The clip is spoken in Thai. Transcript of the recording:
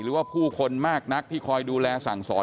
หรือว่าผู้คนมากนักที่คอยดูแลสั่งสอน